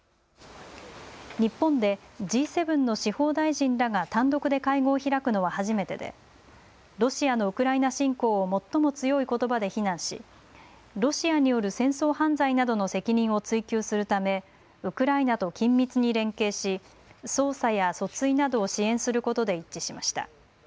日本でＧ７の司法大臣らが単独で会合を開くのは初めてでロシアのウクライナ侵攻を最も強いことばで非難しロシアによる戦争犯罪などの責任を追及するためウクライナと緊密に連携し捜査や訴追などを支援することで一致しました。